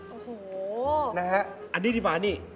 โอ้โฮนะฮะอันนี้ดีป่ะอันนี้